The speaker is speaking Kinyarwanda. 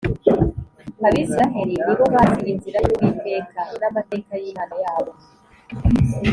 Abisiraheli ni bo bazi inzira y’ Uwiteka n ‘amateka y ‘Imana yabo